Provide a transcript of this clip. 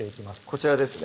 こちらですね